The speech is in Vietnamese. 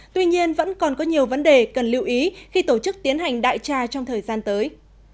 tuy nhiên vẫn còn có nhiều vấn đề cần lưu ý khi tổ chức tiến hành đại tra trong thời gian tới